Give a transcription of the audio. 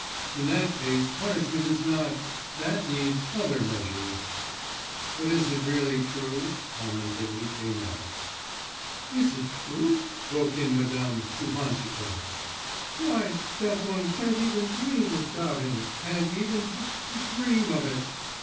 'In that case punishment is not ... that needs ... other measures.' 'But is it really true?' commented Litvinov. 'Is it true?' broke in Madame Suhantchikov. 'Why, that one can't even dream of doubting ... can't even d d d ream of it.